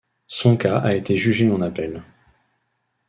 Son cas a été jugé en appel.